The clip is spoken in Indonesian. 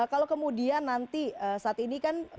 kalau kemudian nanti saat ini kan